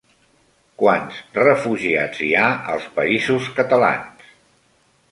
Quants refugiats hi ha als Països Catalans?